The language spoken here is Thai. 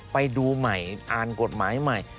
ไปดูใหม่อ่านกฎหมายใหม่